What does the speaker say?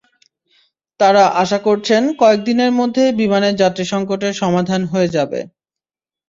তাঁরা আশা করছেন, কয়েক দিনের মধ্যে বিমানের যাত্রীসংকটের সমাধান হয়ে যাবে।